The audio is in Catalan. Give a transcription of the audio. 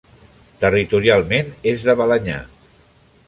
Territorialment, és de Balenyà.